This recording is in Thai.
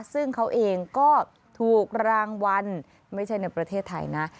ซึ่งเขาเองก็ถูกรางวัลไม่ใช่ในประเทศไทยนะ